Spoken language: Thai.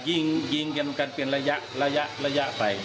หรือวิ่งรายระยะไป